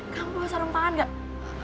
kamu bawa sarung tangan gak